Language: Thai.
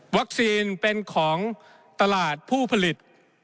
เป็นของตลาดผู้ผลิต